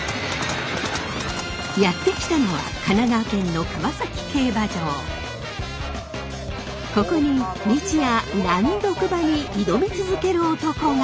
やって来たのはここに日夜難読馬に挑み続ける男が！